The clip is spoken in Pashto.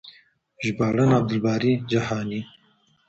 ژباړن: عبدالباري جهاني